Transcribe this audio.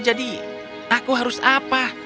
jadi aku harus apa